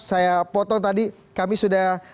saya potong tadi kami sudah